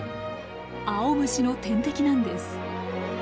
アオムシの天敵なんです。